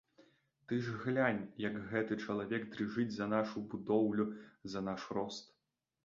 Ты ж глянь, як гэты чалавек дрыжыць за нашу будоўлю, за наш рост.